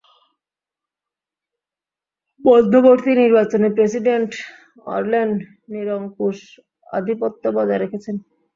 মধ্যবর্তী নির্বাচনে প্রেসিডেন্ট অরল্যান নিরংকুশ আধিপত্য বজায় রেখেছেন!